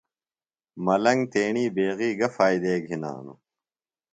ملنگ تیݨی بیغیۡ گہ فائدے گِھنانوۡ؟